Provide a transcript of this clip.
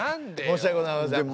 申し訳ございません。